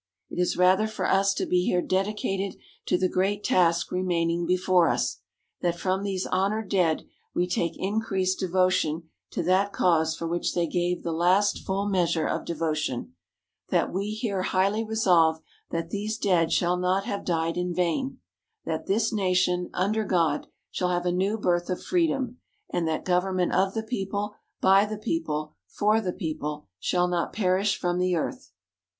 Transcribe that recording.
It is rather for us to be here dedicated to the great task remaining before us that from these honoured dead we take increased devotion to that cause for which they gave the last full measure of devotion; that we here highly resolve that these dead shall not have died in vain; that this Nation, under God, shall have a new birth of Freedom; and that Government of the People, by the People, for the People, shall not perish from the earth.